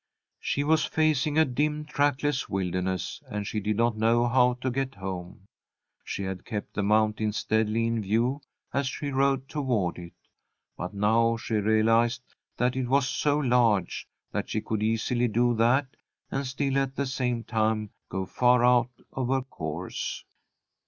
She was facing a dim, trackless wilderness, and she did not know how to get home. She had kept the mountain steadily in view as she rode toward it, but now she realized that it was so large that she could easily do that, and still at the same time go far out of her course.